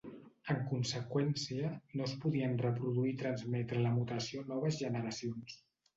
En conseqüència, no es podien reproduir i transmetre la mutació a noves generacions.